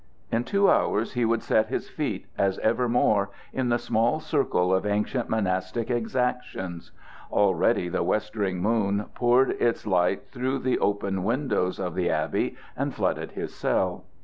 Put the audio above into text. In two hours he would set his feet, as evermore, in the small circle of ancient monastic exactions. Already the westering moon poured its light through the long windows of the abbey and flooded his cell.